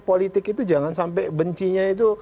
politik itu jangan sampai bencinya itu